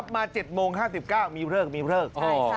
มา๗โมง๕๙มีเบลอร์ก